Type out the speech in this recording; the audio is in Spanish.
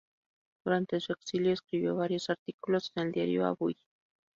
Durante su exilio escribió varios artículos en el diario Avui.